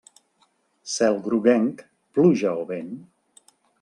Cel groguenc, pluja o vent.